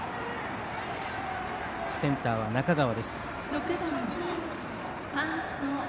センターは中川。